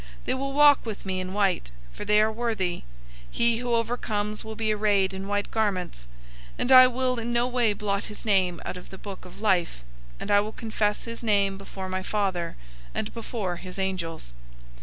They will walk with me in white, for they are worthy. 003:005 He who overcomes will be arrayed in white garments, and I will in no way blot his name out of the book of life, and I will confess his name before my Father, and before his angels.